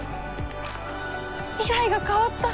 未来が変わった！